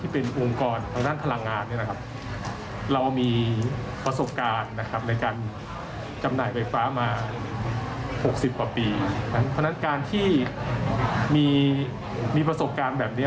เพราะฉะนั้นการที่มีประสบการณ์แบบนี้